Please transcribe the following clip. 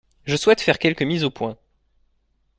Je souhaite faire quelques mises au point.